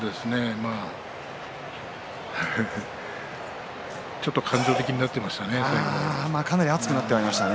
まあちょっと感情的になっていましたね。